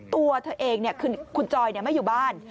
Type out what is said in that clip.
ตัวเธอเองคุณจอยไม่อยู่บ้าน